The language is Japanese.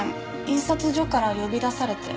印刷所から呼び出されて。